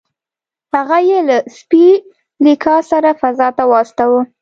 هغه یې له سپي لیکا سره فضا ته واستاوه